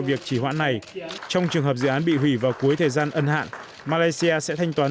việc chỉ hoãn này trong trường hợp dự án bị hủy vào cuối thời gian ân hạn malaysia sẽ thanh toán